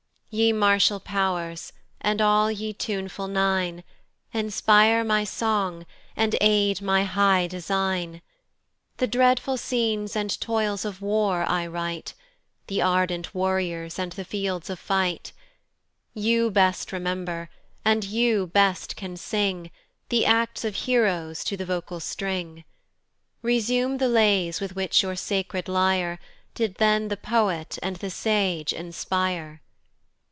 YE martial pow'rs, and all ye tuneful nine, Inspire my song, and aid my high design. The dreadful scenes and toils of war I write, The ardent warriors, and the fields of fight: You best remember, and you best can sing The acts of heroes to the vocal string: Resume the lays with which your sacred lyre, Did then the poet and the sage inspire.